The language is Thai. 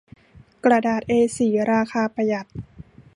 กระดาษเอสี่ราคาประหยัด